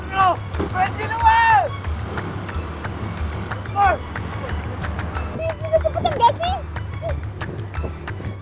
div bisa cepetin gak sih